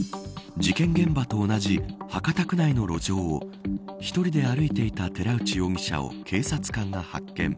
事件現場と同じ博多区内の路上を１人で歩いていた寺内容疑者を警察官が発見。